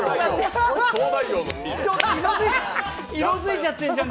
色づいちゃってんじゃん。